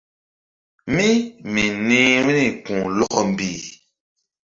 Mí mi nih vbi̧ri ku̧h lɔkɔ mbih.